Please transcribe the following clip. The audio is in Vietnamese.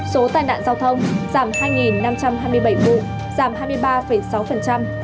số tai nạn giao thông giảm hai năm trăm hai mươi bảy vụ giảm hai mươi ba sáu